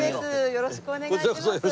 よろしくお願いします。